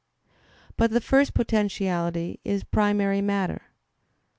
But the first potentiality is primary matter.